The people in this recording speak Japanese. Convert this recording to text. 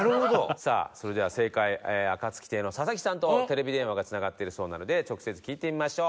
「さあそれでは正解暁亭の佐々木さんとテレビ電話がつながってるそうなので直接聞いてみましょう。